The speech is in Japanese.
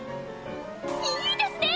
いいですね！